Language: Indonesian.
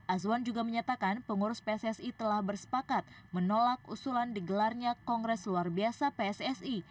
azwan juga menyatakan pengurus pssi telah bersepakat menolak usulan digelarnya kongres luar biasa pssi